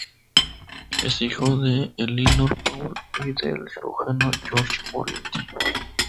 Es hijo de Elinor Paul y del cirujano George Moriarty.